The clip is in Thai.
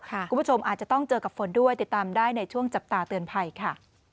คุณผู้ชมอาจจะต้องเจอกับฝนด้วยติดตามได้ในช่วงจับตาเตือนภัยค่ะ